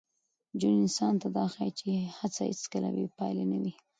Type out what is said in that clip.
ژوند انسان ته دا ښيي چي هڅه هېڅکله بې پایلې نه وي.